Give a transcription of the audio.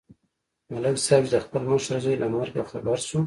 ملک صاحب چې د خپل مشر زوی له مرګه خبر شو